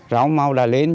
rau màu đã lên